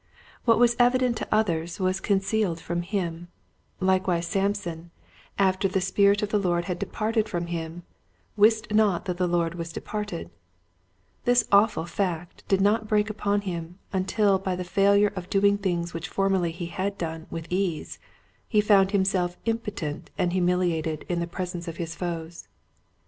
What was evident to others was concealed from him. Likewise Samson after that 20 8 Qtdet Hints to Growing Preachers. the Spirit of the Lord had departed from him "wist not that the Lord was de parted." This awful fact did not break upon him until by the failure of doing things which formerly he had done with ease he found himself impotent and humili ated in the presence of his foes.